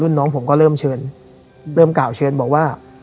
น้องผมก็เริ่มเชิญเริ่มกล่าวเชิญบอกว่า